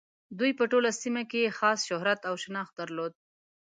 دوی په ټوله سیمه کې یې خاص شهرت او شناخت درلود.